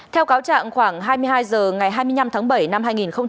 theo cáo chạm khoảng hai mươi hai h ngày hai mươi năm tháng bảy năm hai nghìn một mươi chín